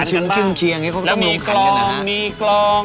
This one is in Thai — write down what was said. มันมีเครื่องเชียร์แล้วมีกล้องมีกล้อง